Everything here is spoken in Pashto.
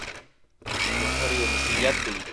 موټر یو مسؤلیت دی.